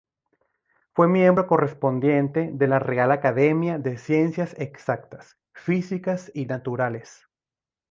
Fue miembro correspondiente de la Real Academia de Ciencias Exactas, Físicas y Naturales.